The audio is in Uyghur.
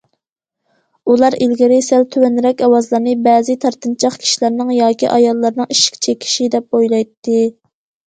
ئۇلار ئىلگىرى سەل تۆۋەنرەك ئاۋازلارنى بەزى تارتىنچاق كىشىلەرنىڭ ياكى ئاياللارنىڭ ئىشىك چېكىشى دەپ ئويلايتتى.